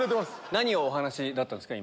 何をお話だったんですか？